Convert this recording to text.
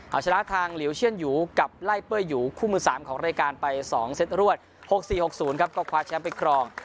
เอาชนะทางเหลี่ยวเชื่อนหยูกับไล่เป้ยหยูคู่มือสามของรายการไป๒เซ็ตรวรรดิ๖๔๖๐ก็ควาซ์แชมป์ไปครอง